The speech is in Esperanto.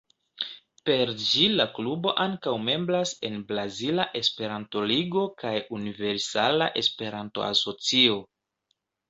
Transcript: Per ĝi la klubo ankaŭ membras en Brazila Esperanto-Ligo kaj Universala Esperanto-Asocio.